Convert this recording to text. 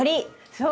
そう。